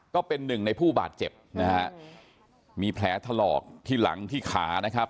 ก็เป็นหนึ่งในผู้บาดเจ็บนะฮะมีแผลถลอกที่หลังที่ขานะครับ